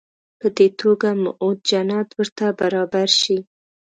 په دې توګه موعود جنت ورته برابر شي.